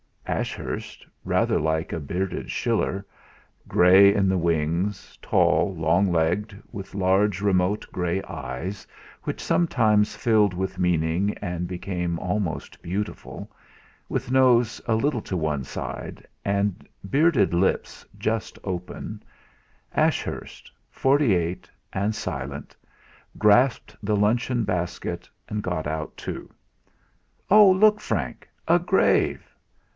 Ashurst, rather like a bearded Schiller, grey in the wings, tall, long legged, with large remote grey eyes which sometimes filled with meaning and became almost beautiful, with nose a little to one side, and bearded lips just open Ashurst, forty eight, and silent, grasped the luncheon basket, and got out too. "Oh! Look, Frank! A grave!"